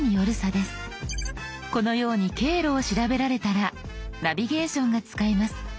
このように経路を調べられたらナビゲーションが使えます。